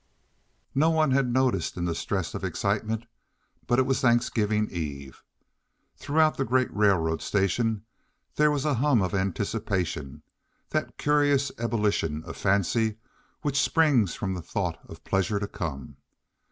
No one had noticed it in the stress of excitement, but it was Thanksgiving Eve. Throughout the great railroad station there was a hum of anticipation, that curious ebullition of fancy which springs from the thought of pleasures to come.